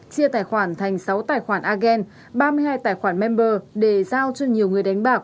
chia tài khoản thành sáu tài khoản agen ba mươi hai tài khoản member để giao cho nhiều người đánh bạc